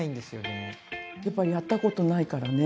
やっぱやったことないからね。